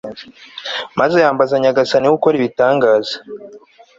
maze yambaza nyagasani we ukora ibitangaza